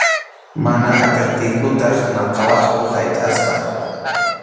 Mana atiptiykuta maqawaqku haytʼaspa.